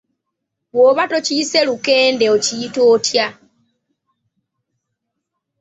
Bw'oba tokiyise lukende okiyita otya?